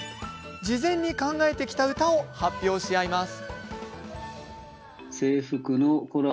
事前に考えてきた歌を発表し合います。